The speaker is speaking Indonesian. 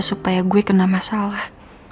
supaya gue kena masalah